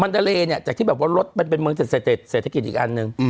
มันทะเลเนี่ยจากที่แบบว่ารถมันเป็นเมืองเศรษฐกิจอีกอันนึง